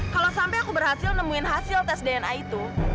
kalau sampai aku berhasil nemuin hasil tes dna itu